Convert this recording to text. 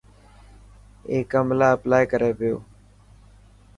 اي ڪم لاءِ اپلائي ڪري پيو.